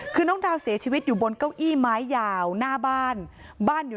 คือน้องดาวเสียชีวิตอยู่บนเก้าอี้ไม้ยาวหน้าบ้านบ้านอยู่